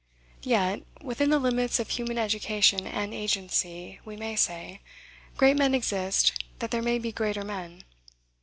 Yet, within the limits of human education and agency, we may say, great men exist that there may be greater men.